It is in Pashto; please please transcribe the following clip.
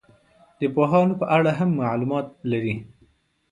د پوهانو په اړه هم معلومات لري.